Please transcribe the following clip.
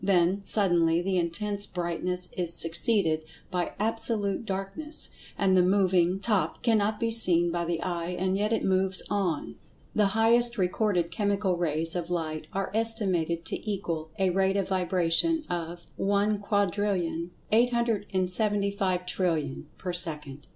Then, suddenly, the intense brightness is succeeded by absolute darkness, and the moving Top cannot be seen by the eye—and yet it moves on. The highest recorded chemical rays of light are estimated to equal a rate of vibration of 1,875,000,000,000,000 per second.